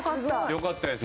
よかったです